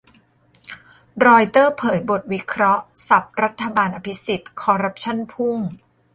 รอยเตอร์เผยบทวิเคราะห์สับรัฐบาลอภิสิทธิ์คอร์รัปชั่นพุ่ง